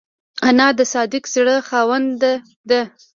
انا د صادق زړه خاوند ده